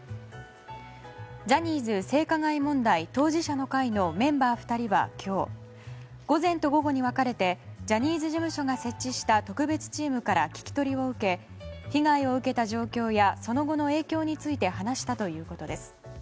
ジャニーズ性加害問題当事者の会のメンバー２人は今日午前と午後に分かれてジャニーズ事務所が設置した特別チームから聞き取りを受け被害を受けた状況やその後の影響について話したということです。